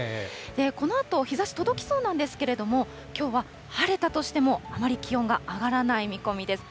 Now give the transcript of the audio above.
このあと日ざし届きそうなんですけれども、きょうは晴れたとしても、あまり気温が上がらない見込みです。